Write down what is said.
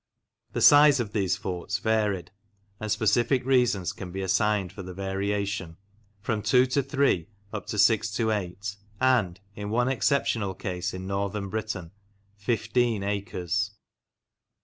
The size of these forts varied (and specific reasons can be assigned for the variation) from two or three up to six or eight and, in one exceptional case in Northern Britain, fifteen acres.